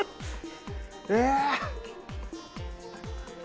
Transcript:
え？